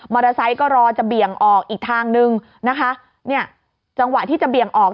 ไซค์ก็รอจะเบี่ยงออกอีกทางนึงนะคะเนี่ยจังหวะที่จะเบี่ยงออก